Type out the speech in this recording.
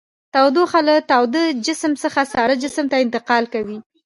تودوخه له تاوده جسم څخه ساړه جسم ته انتقال کوي.